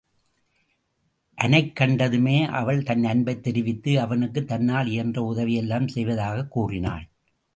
அனைக் கண்டதுமே அவள் தன் அன்பைத் தெரிவித்து, அவனுக்குத் தன்னால் இயன்ற உதவியெல்லாம் செய்வதாகாகவும் கூறினாள்.